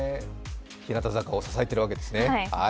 日向坂を支えているんですね。